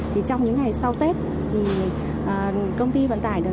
trong những ngày sau tết thì công ty vận tải